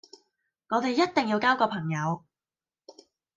我哋一定要交個朋友